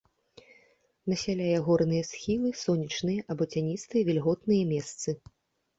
Насяляе горныя схілы, сонечныя або цяністыя вільготныя месцы.